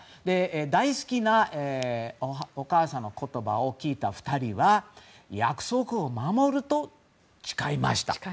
大好きなお母さんの言葉を聞いた２人は約束を守ると誓いました。